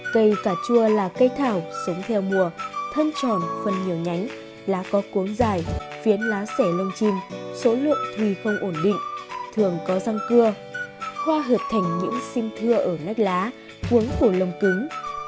cây cà chua là cây thảo sống theo mùa thân tròn phân nhiều nhánh lá có cuốn dài phiến lá sẻ lông chim số lượng thùy không ổn định thường có răng cưa khoa hợp thành những xim thưa ở nách lá cuốn phủ lông cứng